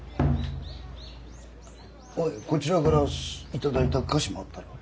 おいこちらから頂いた菓子もあったろう？